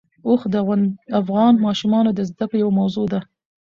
اوښ د افغان ماشومانو د زده کړې یوه موضوع ده.